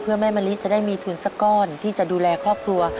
เพื่อแม่มะลิจะได้มีทุนสักก้อนที่จะดูแลครอบครัว